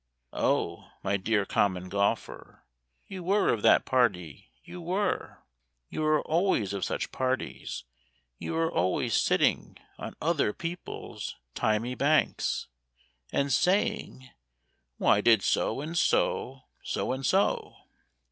O, my dear Common Golfer, You were of that party; You were; You are always of such parties, You are always sitting On other people's thymy banks, And saying, "Why did So and so so and so?"